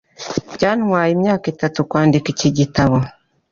Byantwaye imyaka itatu kwandika iki gitabo.